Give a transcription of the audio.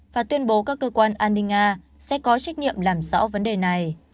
và tuyên bố các cơ quan an ninh nga sẽ có trách nhiệm làm rõ vấn đề này